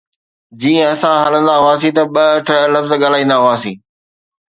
جيئن اسان هلندا هئاسين ته ٻه اٺ لفظ ڳالهائيندا هئاسين